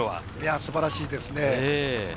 素晴らしいですね。